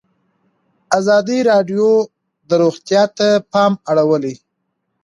ازادي راډیو د روغتیا ته پام اړولی.